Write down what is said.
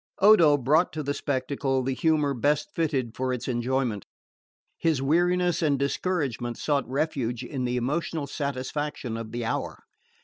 Odo brought to the spectacle the humour best fitted for its enjoyment. His weariness and discouragement sought refuge in the emotional satisfaction of the hour.